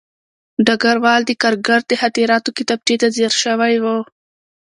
ډګروال د کارګر د خاطراتو کتابچې ته ځیر شوی و